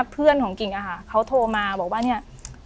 เพื่อนของกิ่งอะค่ะเขาโทรมาบอกว่าเนี่ย